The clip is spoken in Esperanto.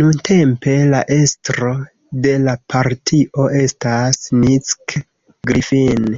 Nuntempe la estro de la partio estas Nick Griffin.